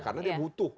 karena dia butuh